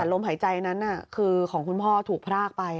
ลมหายใจนั้นคือของคุณพ่อถูกพรากไป